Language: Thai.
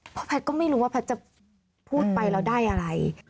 เพราะแพทย์ก็ไม่รู้ว่าแพทย์จะพูดไปแล้วได้อะไร